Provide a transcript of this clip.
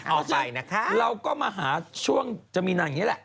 เอาไปนะคะเราก็มาหาช่วงจะมีแบบนั้นเนี่ยแหละ